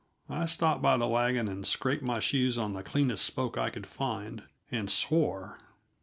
I stopped by the wagon and scraped my shoes on the cleanest spoke I could find, and swore.